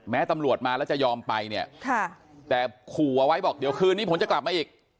ตำรวจมาแล้วจะยอมไปเนี่ยแต่ขู่เอาไว้บอกเดี๋ยวคืนนี้ผมจะกลับมาอีก